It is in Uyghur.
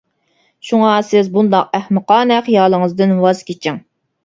شۇڭا سىز بۇنداق ئەخمىقانە خىيالىڭىزدىن ۋاز كېچىڭ.